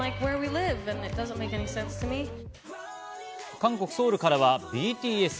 韓国・ソウルからはＢＴＳ。